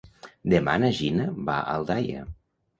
Demà na Gina va a Aldaia.